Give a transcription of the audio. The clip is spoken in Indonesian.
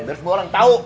biar semua orang tau